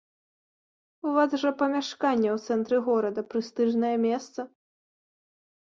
У вас жа памяшканне ў цэнтры горада, прэстыжнае месца.